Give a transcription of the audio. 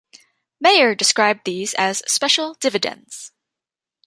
Meyer described these as "special dividends".